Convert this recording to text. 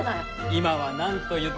今は何と言っても。